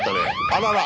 あらら。